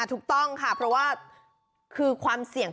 ถูกต้องค่ะเพราะว่าคือความเสี่ยง